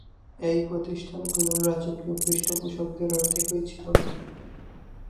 এই প্রতিষ্ঠানগুলোর রাজকীয় পৃষ্ঠপোষকদের অর্ধেকই ছিল নারী।